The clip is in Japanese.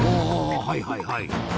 あはいはいはい。